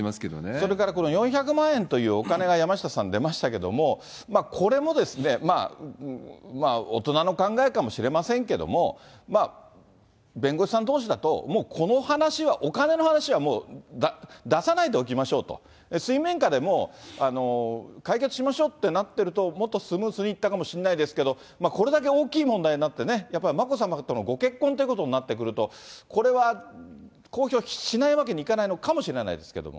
それからこの４００万円というお金が、山下さん、出ましたけれども、これもですね、まあ、大人の考えかもしれませんけども、弁護士さんどうしだと、もうこの話は、お金の話はもう出さないでおきましょうと、水面下でもう解決しましょうってなってると、もっとスムーズにいったかもしれないですけれども、これだけ大きい問題になってね、やっぱり眞子さまとのご結婚ということになってくると、これは公表しないわけにいかないのかもしれないですけれども。